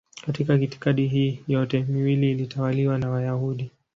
Katika itikadi hii yote miwili ilitawaliwa na Wayahudi.